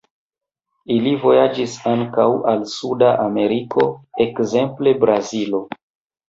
Ili vojaĝis ankaŭ al suda Ameriko, ekzemple Brazilo.